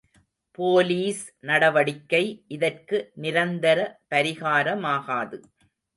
Police நடவடிக்கை இதற்கு நிரந்தர பரிகாரமாகாது.